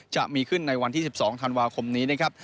จะมีขึ้นในวันที่๑๒ธันวาคมนี้นะครับ